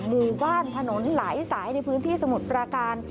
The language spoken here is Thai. หมู่บ้านถนนหลายสายในพื้นที่สมุทรประการ